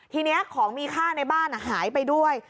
ทีนี้ของมีค่าในบ้านหายไปด้วย